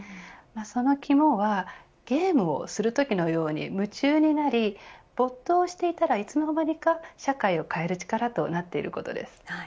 そのきもはゲームをするときのように夢中になり没頭していたら、いつの間にか社会を変える力となっていることです。